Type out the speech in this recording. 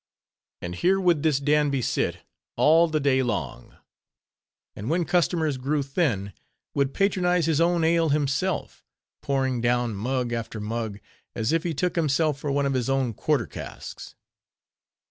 And here would this Danby sit all the day long; and when customers grew thin, would patronize his own ale himself, pouring down mug after mug, as if he took himself for one of his own quarter casks.